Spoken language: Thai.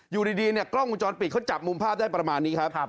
อยู่ดีเนี่ยกล้องวงจรปิดเขาจับมุมภาพได้ประมาณนี้ครับ